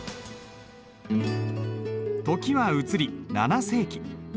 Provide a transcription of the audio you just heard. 時は移り７世紀。